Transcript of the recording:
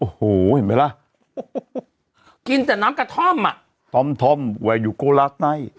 โอ้โหเห็นไหมล่ะกินแต่น้ำกระท่อมอ่ะท่อมท่อมแวยูโกลาสไต